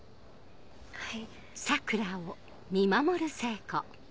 はい。